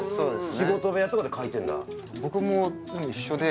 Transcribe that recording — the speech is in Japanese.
仕事部屋とかで書いてんだ？